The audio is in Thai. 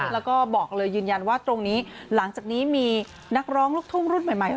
แล้วก็บอกเลยยืนยันว่าตรงนี้หลังจากนี้มีนักร้องลูกทุ่งรุ่นใหม่